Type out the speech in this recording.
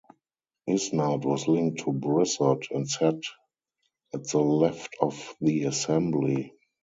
Isnard was linked to Brissot and sat at the left of the Assembly.